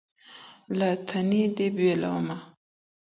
له تنې دي بېلومه